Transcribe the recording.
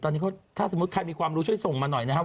ตอนนี้เขาถ้าสมมุติใครมีความรู้ช่วยส่งมาหน่อยนะครับ